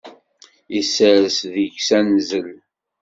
Isers deg-s anzel.